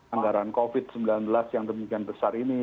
anggaran covid sembilan belas yang demikian besar ini